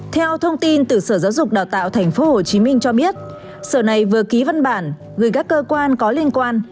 theo thông tin từ sở giáo dục đào tạo tp hcm cho biết sở này vừa ký văn bản gửi các cơ quan có liên quan